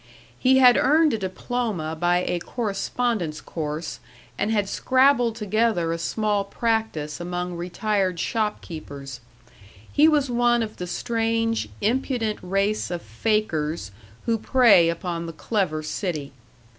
He had earned a diploma by a correspondence course, and had scrabbled together a small practice among retired shopkeepers. He was one of the strange, impudent race of fakers who prey upon the clever city.